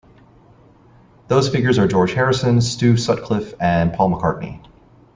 Those figures are George Harrison, Stu Sutcliffe and Paul McCartney.